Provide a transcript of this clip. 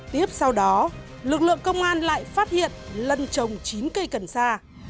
tiếp sau đó lực lượng công an lại phát hiện lân trồng chín cây cần sa